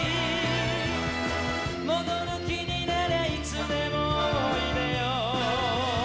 「戻る気になりゃいつでもおいでよ」